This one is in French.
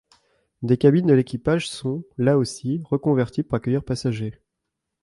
Des cabines de l'équipage sont, là aussi, reconverties pour accueillir passagers.